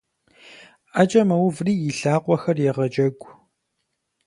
Ӏэкӏэ мэуври и лъакъуэхэр егъэджэгу.